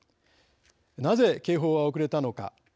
なぜ警報は遅れたのか。